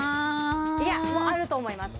いやあると思います